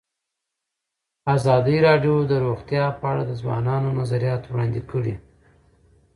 ازادي راډیو د روغتیا په اړه د ځوانانو نظریات وړاندې کړي.